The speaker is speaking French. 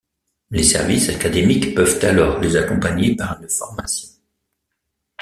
Les services académiques peuvent alors les accompagner par une formation.